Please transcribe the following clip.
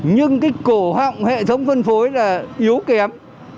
nhưng cái cổ họng hệ thống phân phối là yếu kém